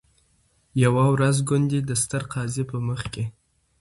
یوه ورځ ګوندي د ستر قاضي په مخ کي